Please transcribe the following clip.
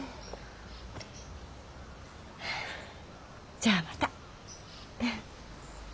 じゃあまた。